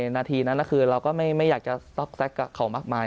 นาทีนั้นคือเราก็ไม่อยากจะซอกแก๊กกับเขามากมาย